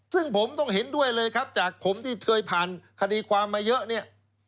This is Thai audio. ซึ่งผมต้องเห็นด้วยเลยครับจากผมที่เคยผ่านคดีความมาเยอะเนี่ย